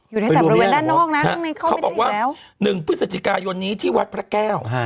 อยู่ในแต่บริเวณด้านนอกนะเขาบอกว่า๑พฤศจิกายนนี้ที่วัดพระแก้ว